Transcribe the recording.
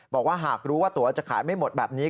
บอกว่าหากรู้ว่าตัวจะขายไม่หมดแบบนี้